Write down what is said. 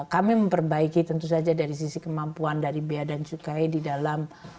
kami memperbaiki tentu saja dari sisi kemampuan dari biaya dan cukai di dalam